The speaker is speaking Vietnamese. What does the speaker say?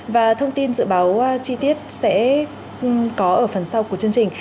và thông tin dự báo chi tiết sẽ có ở phần sau của chương trình